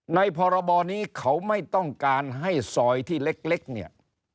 พรบนี้เขาไม่ต้องการให้ซอยที่เล็กเนี่ย